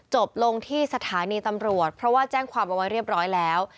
จบลงที่สถานีตำรวจเพราะว่าแจ้งความเอาไว้เรียบร้อยแล้ว